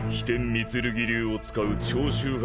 御剣流を使う長州派